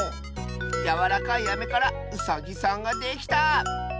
やわらかいアメからウサギさんができた！